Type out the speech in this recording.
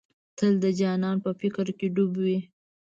تل د جانان په فکر ډوب وې.